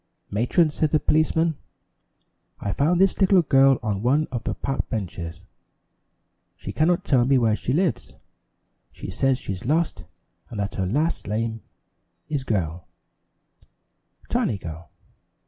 "Matron," said the policeman, "I found this little girl on one of the park benches. She cannot tell me where she lives she says she's lost and that her last name is Girl Tiny Girl.